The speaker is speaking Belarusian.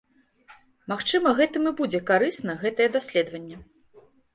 Магчыма гэтым і будзе карысна гэтае даследаванне.